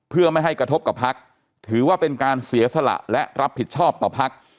เพื่อไม่ให้กระทบกับพักถือว่าเป็นการเสียสละและรับผิดชอบต่อพัก